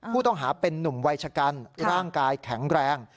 ผู้ต้องหาเป็นนุ่มวัยชะกันร่างกายแข็งแรง